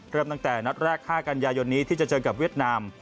เริ่มตั้งแต่นัดแรก๕กันยายนนี้ที่จะเจอกับเวียดนาม